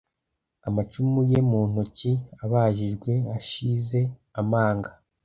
Amacumu ye mu ntokiabajijwe ashize amanga